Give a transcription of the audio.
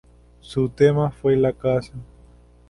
Su tema fue la caza.